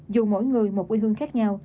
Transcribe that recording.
dù mỗi người một quê hương khác nhau